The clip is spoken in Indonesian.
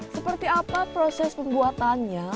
seperti apa proses pembuatannya